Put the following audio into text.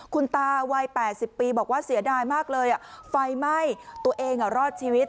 คุณตาวัย๘๐ปีบอกว่าเสียดายมากเลยไฟไหม้ตัวเองรอดชีวิต